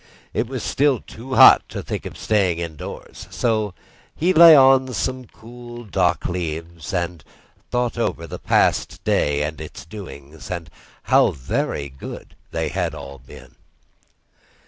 It was still too hot to think of staying indoors, so he lay on some cool dock leaves, and thought over the past day and its doings, and how very good they all had been.